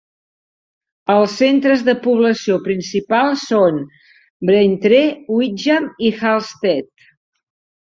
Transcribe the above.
Els centres de població principals són Braintree, Witham i Halstead.